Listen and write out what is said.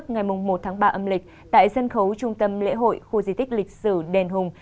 ngày chín tháng bốn tại dân khấu trung tâm lễ hội khu di tích lịch sử đèn hùng